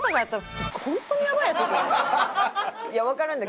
いやわからんで。